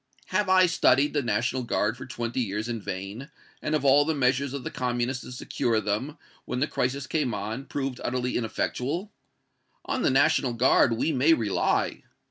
Have I studied the National Guard for twenty years in vain, and have all the measures of the Communists to secure them, when the crisis came on, proved utterly ineffectual? On the National Guard we may rely.